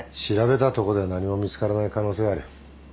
調べたとこで何も見つからない可能性はある。